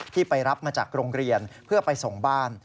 ไปรับมาจากโรงเรียนเพื่อไปส่งบ้าน